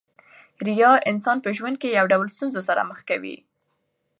ریاء انسان په ژوند کښي د يو ډول ستونزو سره مخ کوي.